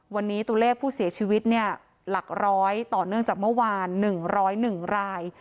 วันนี้ตัวเลขผู้เสียชีวิตหลักร้อยต่อเนื่องจากเมื่อวาน๑๐๑ราย